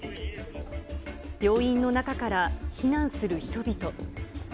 病院の中から避難する人々。